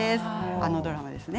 あのドラマですね。